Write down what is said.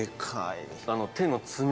手の爪も。